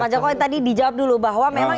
mas joko tadi dijawab dulu bahwa memang